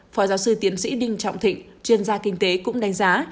phó giáo sư tiến sĩ đinh trọng thịnh chuyên gia kinh tế cũng đánh giá